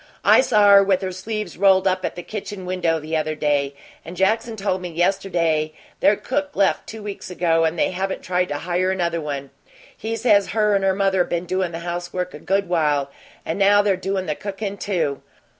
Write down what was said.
I saw her with her sleeves rolled up at the kitchen window the other day, and Jackson told me yesterday their cook left two weeks ago, and they haven't tried to hire another one. He says her and her mother been doin' the housework a good while, and now they're doin' the cookin,' too.